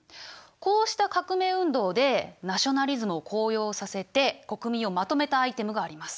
こうした革命運動でナショナリズムを高揚させて国民をまとめたアイテムがあります。